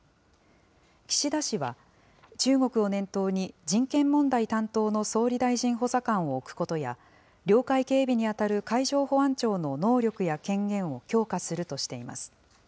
岸田氏は、中国を念頭に人権問題担当の総理大臣補佐官を置くことや、領海警備に当たる海上保安庁の能力や権限を強化するとしています。